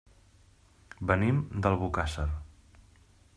Venim d'Albocàsser.